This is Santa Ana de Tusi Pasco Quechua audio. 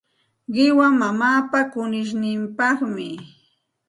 Qiwa mamaapa kunishninpaqmi.